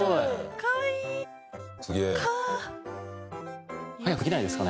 かわいいね。